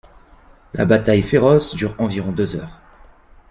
La bataille féroce dure environ deux heures.